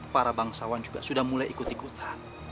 para bangsawan juga sudah mulai ikut ikutan